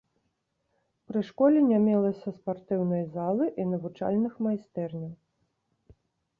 Пры школе не мелася спартыўнай залы і навучальных майстэрняў.